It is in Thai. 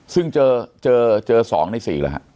ซึ่งเจอ๒ใน๔หรือคะ